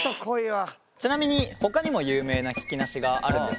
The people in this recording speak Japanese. ちなみにほかにも有名な聞きなしがあるんですが。